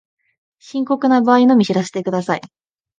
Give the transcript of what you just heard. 深刻な場合のみ知らせてください